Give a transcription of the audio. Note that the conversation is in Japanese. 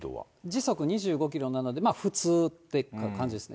時速２５キロなので、普通って感じです。